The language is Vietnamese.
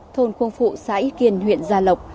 thôn khuông phụ xã y kiên huyện gia lộc